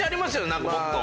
何かもっと。